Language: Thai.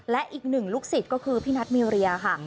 และอีกหนึ่งลูกศิษย์ก็คือพี่นัทมีเรียค่ะ